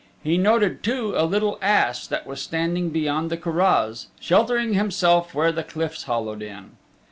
He noted too a little ass that was standing beyond the curraghs, sheltering himself where the cliffs hollowed in.